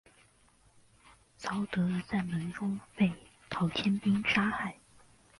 曹德在门中被陶谦兵杀害。